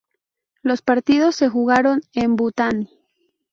Los partidos se jugaron en Bután.